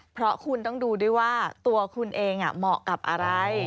เพราะคุณต้องดูด้วยว่าตัวคุณเองเหมาะกับอะไร